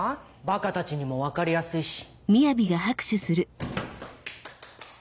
バカたちにも分かりやすいし。